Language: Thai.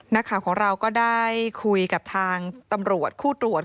นักข่าวของเราก็ได้คุยกับทางตำรวจคู่ตรวจ